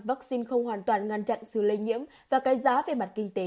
vaccine không hoàn toàn ngăn chặn sự lây nhiễm và cái giá về mặt kinh tế